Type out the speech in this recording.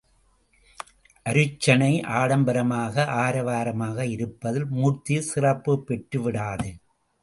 அருச்சனை ஆடம்பரமாக ஆரவாரமாக இருப்பதில் மூர்த்தி சிறப்புப்பெற்று விடாது.